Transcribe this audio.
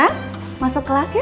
rena masuk kelas ya